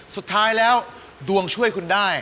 สุดท้ายแล้วดวงช่วยคุณได้